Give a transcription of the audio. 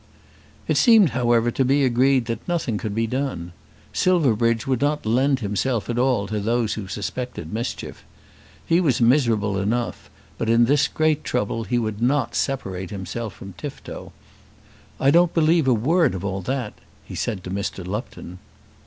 It seemed however to be agreed that nothing could be done. Silverbridge would not lend himself at all to those who suspected mischief. He was miserable enough, but in this great trouble he would not separate himself from Tifto. "I don't believe a word of all that," he said to Mr. Lupton.